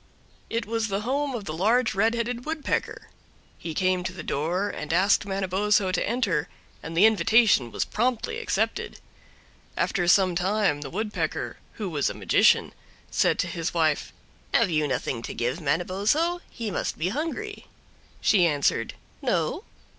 It was the home of the large Red Headed Woodpecker. He came to the door and asked Manabozho to enter, and the invitation was promptly accepted. After some time the Woodpecker, who was a magician, said to his wife: "Have you nothing to give Manabozho? he must be hungry." She answered, "No."